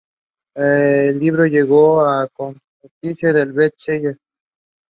There was also fish.